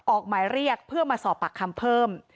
ออกหมายเรียกเพื่อมาสอบปากคำเพิ่ม